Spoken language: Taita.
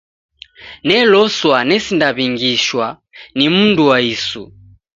Neloswa nesindaw'ingishwa ni mndu wa isu.